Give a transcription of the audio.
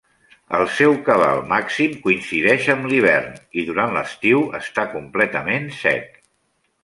El seu cabal màxim coincideix amb l'hivern i durant l'estiu està completament sec.